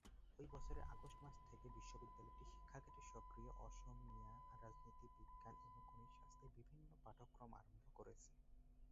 ঐ বছরের আগস্ট মাস থেকে বিশ্ববিদ্যালয়টি শিক্ষাক্ষেত্রে সক্রিয় হয়ে অসমীয়া, রাজনীতি বিজ্ঞান এবং গণিত শাস্ত্রের বিভিন্ন পাঠক্রম আরম্ভ করেছে।